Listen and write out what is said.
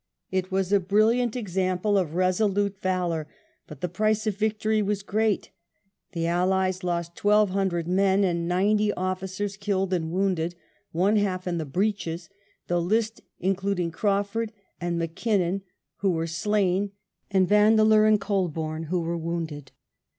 It was a brilliant example of resolute valour, but the price of victory was great The Allies lost twelve hundred men and ninety officers killed and wounded, one half in the breaches ; the list including Craufurd and Mackinnon who were slain, and Vandeleur and Colbome who were wounded.